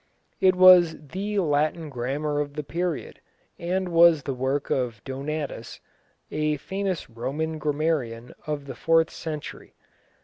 It was the Latin grammar of the period, and was the work of Donatus, a famous Roman grammarian of the fourth century.